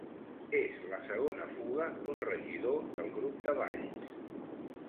És la segona fuga d'un regidor del grup de Valls